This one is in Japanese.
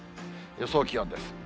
予想気温です。